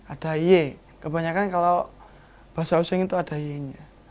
ada ye kebanyakan kalau bahasa osing itu ada ye nya